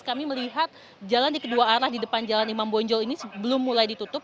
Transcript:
kami melihat jalan di kedua arah di depan jalan imam bonjol ini belum mulai ditutup